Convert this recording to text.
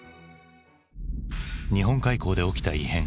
日本海溝で起きた異変。